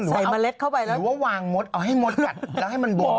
ใส่เมล็ดเข้าไปแล้วหรือว่าวางมดเอาให้มดกัดแล้วให้มันบวม